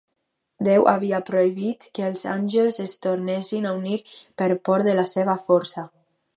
Déu havia prohibit que els àngels es tornessin a unir per por de la seva força.